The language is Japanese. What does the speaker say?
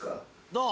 どう？